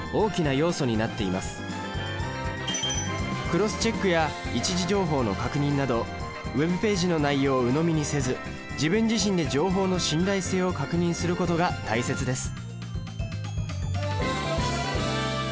クロスチェックや一次情報の確認などＷｅｂページの内容をうのみにせず自分自身で情報の信頼性を確認することが大切です。